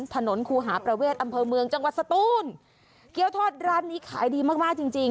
ถนนคูหาประเวชอำเภอเมืองจังหวัดสตูนเกี๊ยวทอดร้านนี้ขายดีมากจริง